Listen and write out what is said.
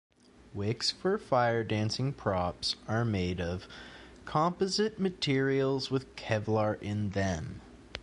Wicks for fire dancing props are made of composite materials with Kevlar in them.